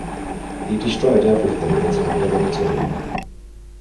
He destroyed everything that had belonged to the woman.